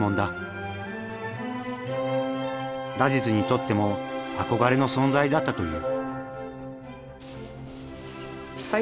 ラジズにとっても憧れの存在だったという。